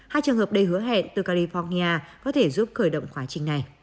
hai trường hợp đầy hứa hẹn từ california có thể giúp khởi động quá trình này